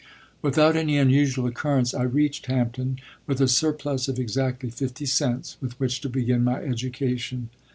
Without any unusual occurrence I reached Hampton, with a surplus of exactly fifty cents with which to begin my education.